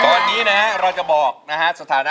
ตอนนี้นะฮะเราจะบอกนะฮะ